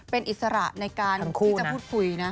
เป็นอิสระในการที่จะพูดคุยนะ